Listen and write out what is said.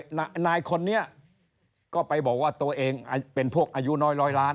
นายคนนี้ก็ไปบอกว่าตัวเองเป็นพวกอายุน้อยร้อยล้าน